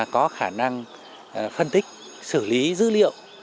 có khả năng phân tích xử lý dữ liệu